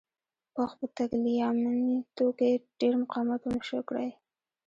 پوځ په تګلیامنیتو کې ډېر مقاومت ونه شوای کړای.